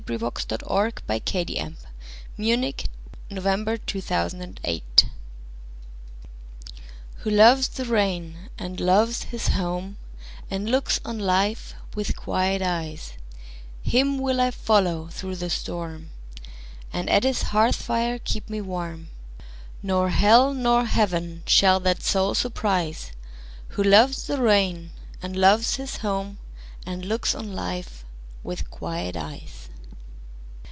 The New Poetry: An Anthology. 1917. Who Loves the Rain By Frances Shaw WHO loves the rainAnd loves his home, And looks on life with quiet eyes, Him will I follow through the storm; And at his hearth fire keep me warm; Nor hell nor heaven shall that soul surprise, Who loves the rain, And loves his home, And looks on life with quiet eyes.